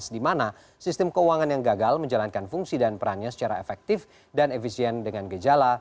di mana sistem keuangan yang gagal menjalankan fungsi dan perannya secara efektif dan efisien dengan gejala